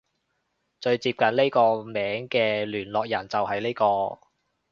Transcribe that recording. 最接近呢個名嘅聯絡人就係呢個